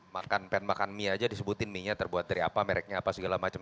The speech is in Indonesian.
makan pan makan mie aja disebutin mie nya terbuat dari apa mereknya apa segala macam